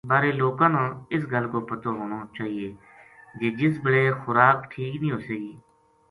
بارے لوکاں نا اس گل کو پتو ہونو چاہیے جے جس بِلے خوراک ٹھیک نیہہ ہوسے گی